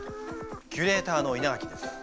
キュレーターの稲垣です。